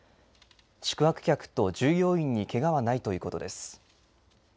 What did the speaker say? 宿泊客と従業員にけがはないということです。